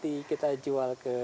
ya kita jual ke